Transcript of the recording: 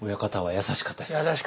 優しかったですね。